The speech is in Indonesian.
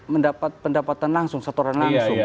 mendapat pendapatan langsung setoran langsung